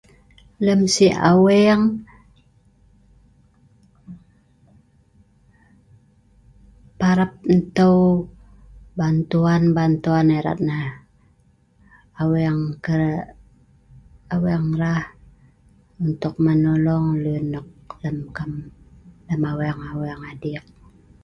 Lem si aweng ------ parap enteu bantuan bantuan erat nah aweng ee aweng ra' untuk menolong lun nok lem kap aweng aweng adik